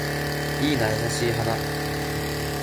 いいな優しい花